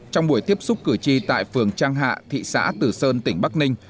trong buổi tiếp xúc cử tri tại phường trang hạ thị xã tử sơn tỉnh bắc ninh